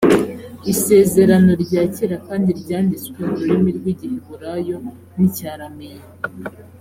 isezerano rya kera kandi ryanditswe mu rurimi rw’igiheburayo n’icyarameyi